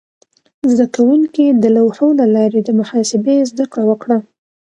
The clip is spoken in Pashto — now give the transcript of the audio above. زده کوونکي د لوحو له لارې د محاسبې زده کړه وکړه.